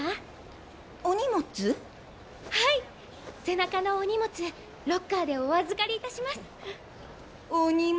はい、背中のお荷物ロッカーでお預かりいたします。